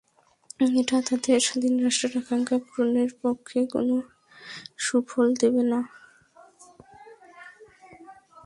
এটা তাদের স্বাধীন রাষ্ট্রের আকাঙ্ক্ষা পূরণের পক্ষে কোনো সুফল দেবে না।